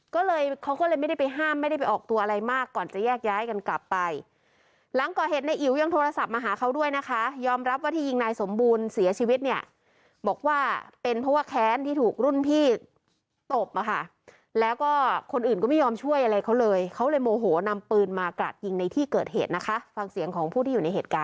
ก็เลยเขาก็เลยไม่ได้ไปห้ามไม่ได้ไปออกตัวอะไรมากก่อนจะแยกย้ายกันกลับไปหลังก่อเหตุในอิ๋วยังโทรศัพท์มาหาเขาด้วยนะคะยอมรับว่าที่ยิงนายสมบูรณ์เสียชีวิตเนี่ยบอกว่าเป็นเพราะว่าแค้นที่ถูกรุ่นพี่ตบอ่ะค่ะแล้วก็คนอื่นก็ไม่ยอมช่วยอะไรเขาเลยเขาเลยโมโหนำปืนมากราดยิงในที่เกิดเหตุนะคะฟังเสียงของผู้ที่อยู่ในเหตุการณ์